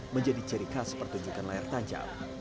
menjadi ciri khas pertunjukan layar tancap